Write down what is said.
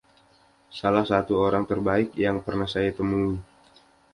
Salah satu orang terbaik yang pernah saya temui.